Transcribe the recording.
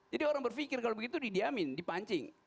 jadi orang berpikir kalau begitu didiamin dipancing